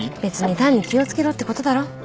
別に単に気を付けろってことだろ。